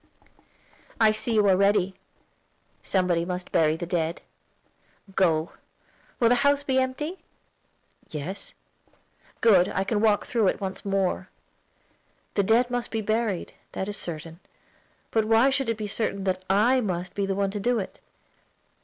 "I see you are ready. Somebody must bury the dead. Go. Will the house be empty?" "Yes." "Good; I can walk through it once more." "The dead must be buried, that is certain; but why should it be certain that I must be the one to do it?"